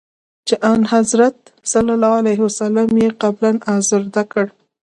چي آنحضرت ص یې قلباً آزرده کړ.